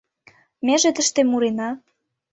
Меже тыште мурена